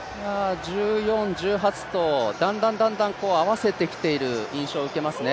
１４、１８とだんだん合わせてきている印象がありますね。